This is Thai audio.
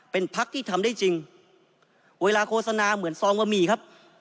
เป็นพักที่ทำได้จริงเวลาโฆษณาเหมือนซองบะหมี่ครับ